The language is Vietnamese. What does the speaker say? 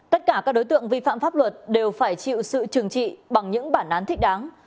tất cả các đối tượng vi phạm pháp luật đều phải chịu sự trừng trị bằng những bản án thích đáng